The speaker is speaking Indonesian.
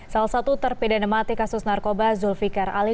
salah satu terpindah mati kasus narkoba zulfikar ali